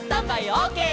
オーケー！」